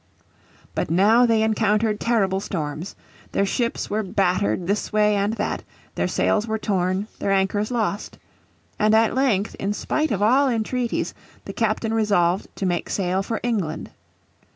But now they encountered terrible storms. Their ships were battered this way and that, their sails were torn, their anchors lost. And at length in spite of all entreaties, the captain resolved to make sail for England.